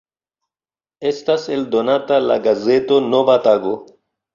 Estas eldonata la gazeto "Nova tago".